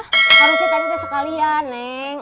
harusnya tadi udah sekalian neng